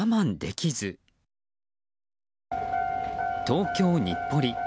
東京・日暮里。